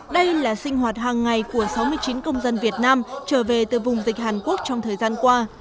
đây là sinh hoạt hàng ngày của sáu mươi chín công dân việt nam trở về từ vùng dịch hàn quốc trong thời gian qua